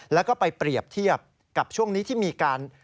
แล้วก็ไปเปรียบเทียบกับช่วงนี้ที่มีการ